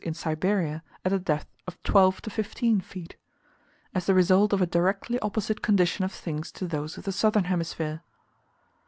in Siberia at the depth of twelve to fifteen feet as the result of a directly opposite condition of things to those of the southern hemisphere.